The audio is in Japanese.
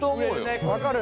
分かる。